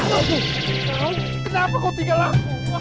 kau kenapa kau tinggal aku